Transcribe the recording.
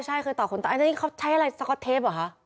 ใช่เคยต่อขนตาอันนี้เขาใช้อะไรสก๊อตเทปเหรอคะ